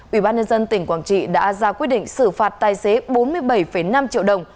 ủy ban nhân dân tỉnh quảng trị đã ra quyết định xử phạt tài xế bốn mươi bảy năm triệu đồng